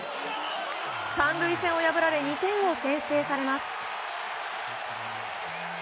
３塁線を破られ２点を先制されます。